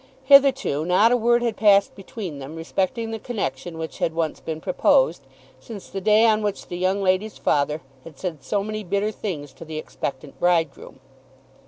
Hitherto not a word had passed between them respecting the connection which had once been proposed, since the day on which the young lady's father had said so many bitter things to the expectant bridegroom.